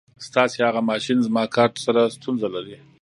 ستاسې هغه ماشین زما کارټ سره ستونزه لري.